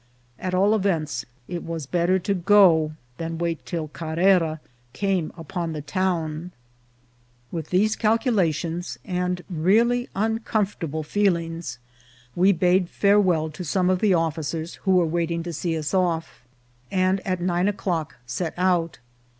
At all events, it was bettej to go than wait till Carrera came upon the town. With these calculations and really uncomfortable feelings, we bade farewell to some of the officers who were waiting to see us off, and at nine o'clock set out.